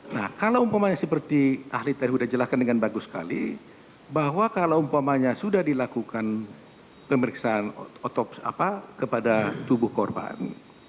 nah kalau umpamanya seperti ahli tadi sudah jelaskan dengan bagus sekali bahwa kalau umpamanya sudah dilakukan pemeriksaan otopsi kepada tubuh korban